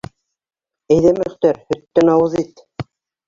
-Әйҙә, Мөхтәр, һөттән ауыҙ ит.